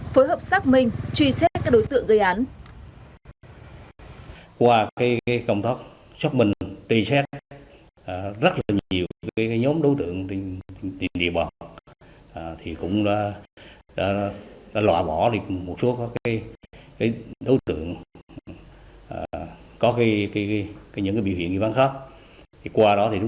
phối hợp xác minh truy xét các đối tượng gây án